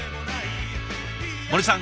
森さん